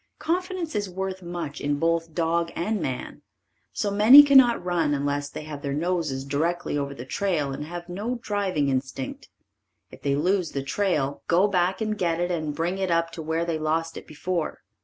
Confidence is worth much in both dog and man. So many cannot run unless they have their noses directly over the trail and have no driving instinct. If they lose the trail, go back and get it and bring it up to where they lost it before.